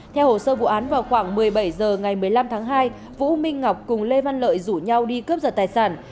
theo hồ sơ vụ án vào khoảng một mươi bảy h ngày một mươi năm tháng hai vũ minh ngọc cùng lê văn lợi rủ nhau đi cướp giật tài sản